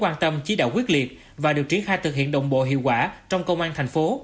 quan tâm chí đạo quyết liệt và được triển khai thực hiện đồng bộ hiệu quả trong công an tp hcm